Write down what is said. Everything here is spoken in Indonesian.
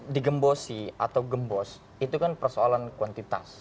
digembosi atau gembos itu kan persoalan kuantitas